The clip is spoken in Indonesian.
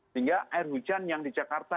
sehingga air hujan yang di jakarta